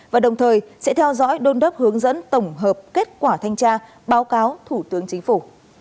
và đồng thời sẽ theo dõi đôn đốc hướng dẫn tổng hợp kết quả thanh tra báo cáo thủ tướng chính phủ